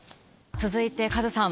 続いてカズさん